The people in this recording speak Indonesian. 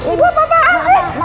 ibu apa apaan sih